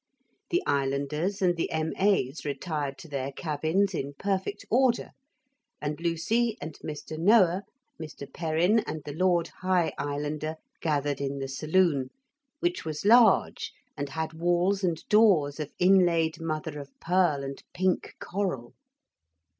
The islanders and the M.A.'s retired to their cabins in perfect order, and Lucy and Mr. Noah, Mr. Perrin and the Lord High Islander gathered in the saloon, which was large and had walls and doors of inlaid mother of pearl and pink coral.